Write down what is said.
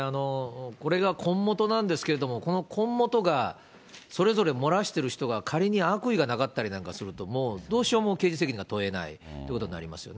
これがこんもとなんですけれども、このこんもとがそれぞれ漏らしてる人が、仮に悪意がなかったりすると、もうどうしようも刑事責任が問えないってことになりますね。